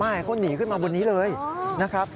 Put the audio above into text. เขาหนีขึ้นมาบนนี้เลยนะครับ